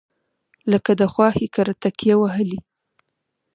لکه د خواښې کره تکیه وهلې.